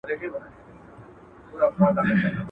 که ټولي دروازې درباندي وتړل سي